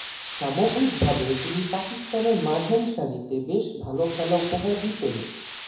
সামগ্রীকভাবে তিনি পাকিস্তানের মাঝারিসারিতে বেশ ভালো খেলা উপহার দিতেন।